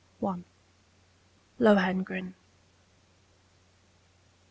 LOHENGRIN.